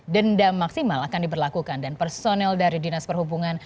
denda maksimal akan diberlakukan dan personel dari dinas perhubungan